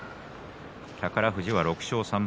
宝富士は６勝３敗。